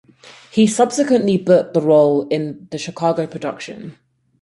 He subsequently booked the role in the Chicago production.